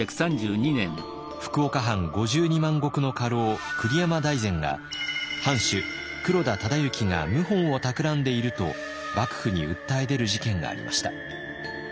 福岡藩５２万石の家老栗山大膳が「藩主黒田忠之が謀反をたくらんでいる」と幕府に訴え出る事件がありました。